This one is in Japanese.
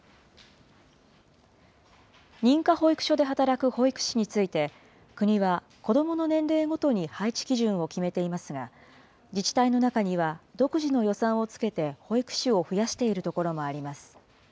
認可保育所で働く保育士について、国は子どもの年齢ごとに配置基準を決めていますが、自治体の中には、独自の予算をつけて保育士を増やしているところもあります。